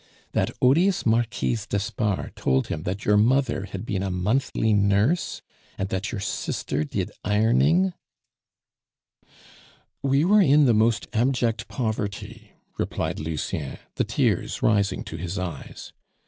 That odious Marquise d'Espard told him that your mother had been a monthly nurse and that your sister did ironing " "We were in the most abject poverty," replied Lucien, the tears rising to his eyes.